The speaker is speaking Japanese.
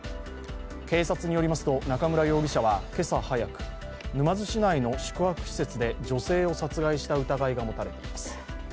警察によりますと中村容疑者は今朝早く沼津市内の宿泊施設で女性を殺害した疑いが持たれています。